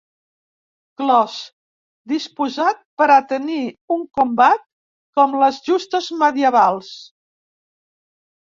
Clos disposat per a tenir-hi un combat com les justes medievals.